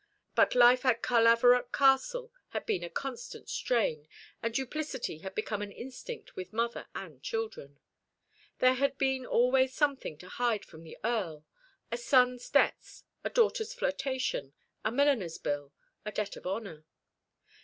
But life at Carlavarock Castle had been a constant strain, and duplicity had become an instinct with mother and children. There had been always something to hide from the Earl a son's debts, a daughter's flirtation, a milliner's bill, a debt of honour.